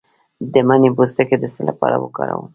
د مڼې پوستکی د څه لپاره وکاروم؟